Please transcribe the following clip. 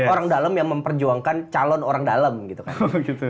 orang dalam yang memperjuangkan calon orang dalam gitu kan